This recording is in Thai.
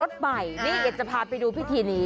รถใหม่นี่เอี๊ยดจะพาไปดูพิธีนี้